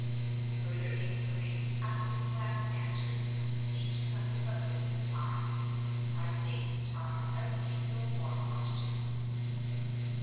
Further inquiries, after this last answer, could lead to nothing but waste of time. I saved time by putting no more questions.